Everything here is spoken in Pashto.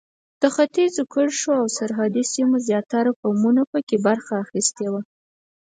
د ختیځو کرښو او سرحدي سیمو زیاترو قومونو په کې برخه اخیستې وه.